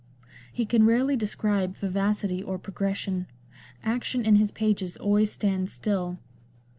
He can rarely describe vivacity or progression ; action in his pages always stands still.